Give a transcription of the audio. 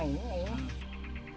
ini enak enak